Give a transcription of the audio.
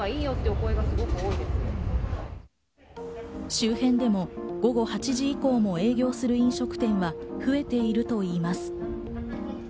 周辺でも午後８時以降も営業する飲食店は増えているといいます。